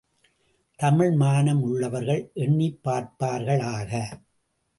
தமிழ்மானம் உள்ளவர்கள் எண்ணிப் பார்ப்பார்களாக!